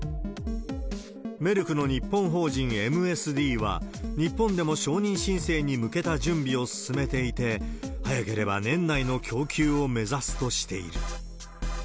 メルクの日本法人ＭＳＤは、日本でも承認申請に向けた準備を進めていて、早ければ年内の供給を目指すとしている。